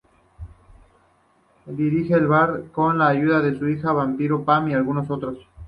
Dirige el bar con la ayuda de sus hija vampiro Pam y algunos otros.